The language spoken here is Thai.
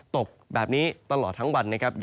ตกแบบนี้ตลอดทั้งวันนะครับ